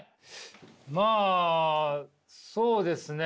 まあそうですね。